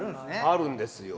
あるんですよ。